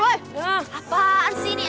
apaan sih ini